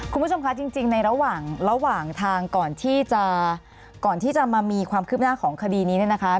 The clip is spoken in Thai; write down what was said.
คุณผู้ชมคะจริงในระหว่างระหว่างทางก่อนที่จะก่อนที่จะมามีความคืบหน้าของคดีนี้เนี่ยนะคะ